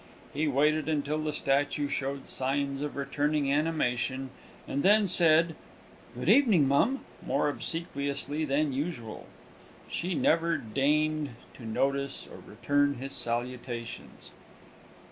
He waited until the statue showed signs of returning animation, and then said, "Good evening, mum," more obsequiously than usual. She never deigned to notice or return his salutations.